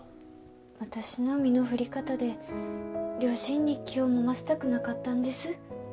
私の身の振り方で両親に気をもませたくなかったんです